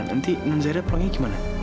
nanti nunzairah pulangnya gimana